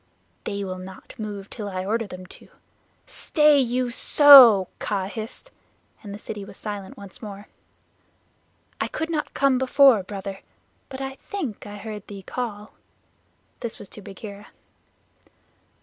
"They will not move till I order them. Stay you sssso!" Kaa hissed, and the city was silent once more. "I could not come before, Brother, but I think I heard thee call" this was to Bagheera.